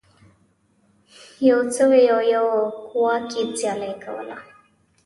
یو سوی او یو کواګې سیالي کوله.